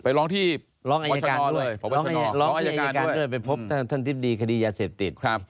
ไปร้องที่ปวชนร้องที่อายการด้วยไปพบท่านทิศดีคดียาเสพติด